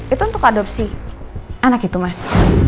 itu untuk adopsi anak itu mas